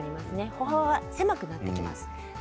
歩幅が狭くなってきます。